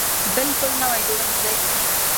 بلکل نوی جوړښت دی.